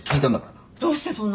どうしてそんなことを？